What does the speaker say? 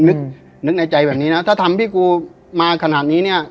นึกนึกในใจแบบนี้นะถ้าทำพี่กูมาขนาดนี้เนี่ย